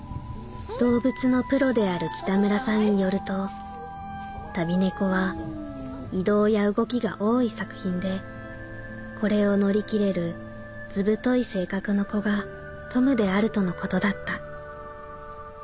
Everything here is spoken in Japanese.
「動物のプロである北村さんによると『旅猫』は移動や動きが多い作品でこれを乗り切れる『図太い』性格の子がトムであるとのことだった」。